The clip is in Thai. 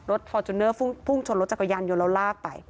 ฟอร์จูเนอร์พุ่งชนรถจักรยานยนต์แล้วลากไป